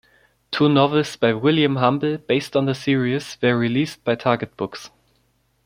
Two novels by William Humble based on the series were released by Target Books.